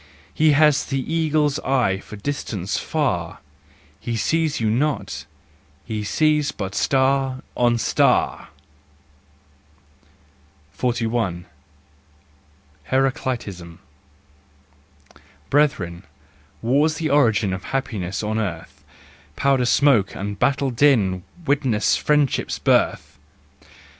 He has the eagle's eye for distance far, He sees you not, he sees but star on star! 41. Heraclitism. Brethren, war's the origin Of happiness on earth : Powder smoke and battle din Witness friendship's birth!